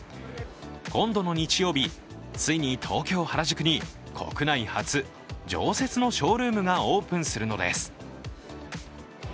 今度の日曜日、ついに東京・原宿に国内初常設のショールームがオープンするのです。